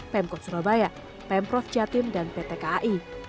pemkot surabaya pemprov jatim dan pt kai